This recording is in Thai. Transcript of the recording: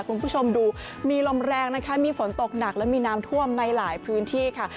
คุณผู้ชมดูมีลมแรงนะคะมีฝนตกหนักและมีน้ำท่วมในหลายพื้นที่ค่ะ